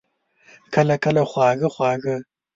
کله، کله خواږه، خواږه